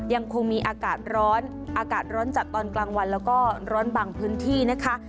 ยังคงมีอากาศร้อนอากาศร้อนจัดตอนกลางวันแล้วก็ร้อนบางพื้นที่นะคะ